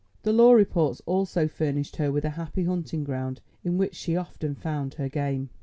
The law reports also furnished her with a happy hunting ground in which she often found her game.